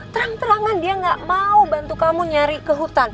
terang terangan dia gak mau bantu kamu nyari ke hutan